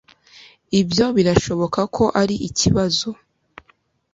ibyo birashoboka ko ari ikibazo